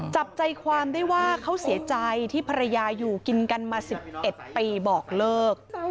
จับใจความได้ว่าเขาเสียใจที่ภรรยาอยู่กินกันมา๑๑ปีบอกเลิก